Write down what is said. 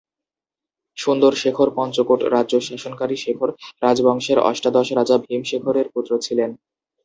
সুন্দর শেখর পঞ্চকোট রাজ্য শাসনকারী শেখর রাজবংশের অষ্টাদশ রাজা ভীম শেখরের পুত্র ছিলেন।